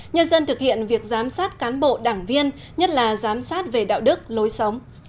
nhân dân thực hiện việc giám sát cán bộ đảng viên nhất là giám sát về đạo đức lối sống